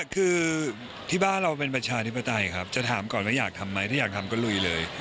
คือที่บ้านเราเป็นประชาธิปไตยครับจะถามก่อนว่าอยากทำไหมถ้าอยากทำก็ลุยเลย